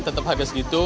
tetap harga segitu